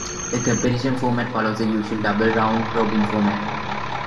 The competition format follows the usual double round-robin format.